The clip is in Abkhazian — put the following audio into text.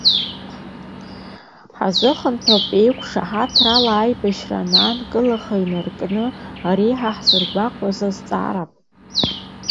Ҳазыхынҳәып еиқәышаҳаҭрала аибашьра анаанкылаха инаркны реиҳа ҳзыргәаҟуа азҵаара.